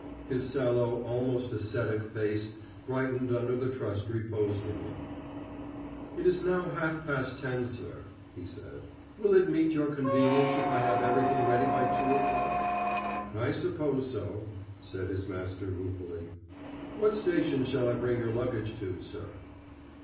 His sallow, almost ascetic, face brightened under the trust reposed in him. "It is now half past ten, sir," he said. "Will it meet your convenience if I have everything ready by two o'clock?" "I suppose so," said his master ruefully. "What station shall I bring your luggage to, sir?"